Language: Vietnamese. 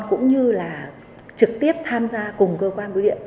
cũng như là trực tiếp tham gia cùng cơ quan biêu điện